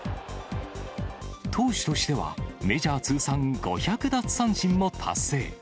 投手としてはメジャー通算５００奪三振も達成。